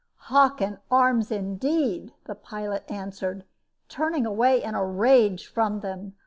"'Hockin Arms,' indeed!" the pilot answered, turning away in a rage from them.